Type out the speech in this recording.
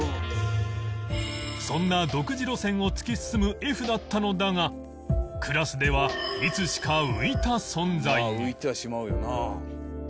そんな独自路線を突き進む Ｆ だったのだがクラスではいつしか